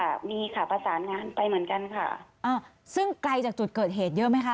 ค่ะมีค่ะประสานงานไปเหมือนกันค่ะอ่าซึ่งไกลจากจุดเกิดเหตุเยอะไหมคะ